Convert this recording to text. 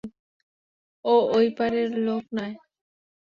ও ওই পাড়ের লোক নয়।